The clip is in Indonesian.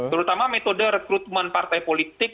terutama metode rekrutmen partai politik